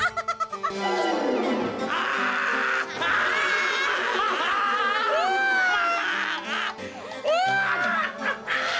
aduh gigih gua copot dah